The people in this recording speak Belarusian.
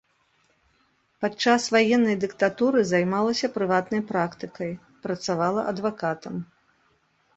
Падчас ваеннай дыктатуры займалася прыватнай практыкай, працавала адвакатам.